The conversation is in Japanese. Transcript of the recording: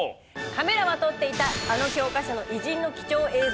カメラは撮っていたあの教科書の偉人の貴重映像。